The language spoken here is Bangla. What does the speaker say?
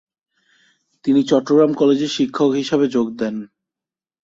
তিনি চট্টগ্রাম কলেজে শিক্ষক হিসাবে যোগ দেন।